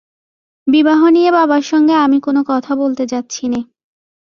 বিবাহ নিয়ে বাবার সঙ্গে আমি কোনো কথা বলতে যাচ্ছি নে।